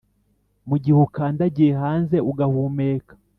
mugihe ukandagiye hanze ugahumeka.